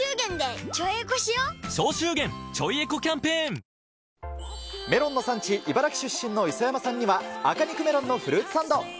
なんか表面だけかなと思ったメロンの産地、茨城出身の磯山さんには、赤肉メロンのフルーツサンド。